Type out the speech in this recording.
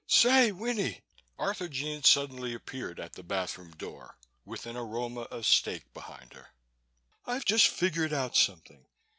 "Say, Winnie!" Arthurjean suddenly appeared at the bathroom door, with an aroma of steak behind her. "I've just figured out something.